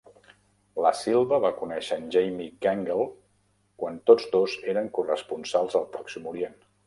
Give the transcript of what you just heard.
La Silva va conèixer en Jamie Gangel quan tots dos eren corresponsals al Pròxim Orient.